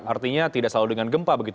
artinya tidak selalu dengan gempa begitu